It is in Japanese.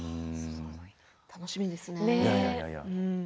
楽しみですね。